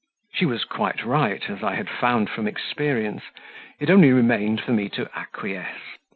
She was quite right, as I had found from experience; it only remained for me to acquiesce.